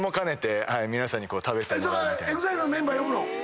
それはＥＸＩＬＥのメンバー呼ぶの？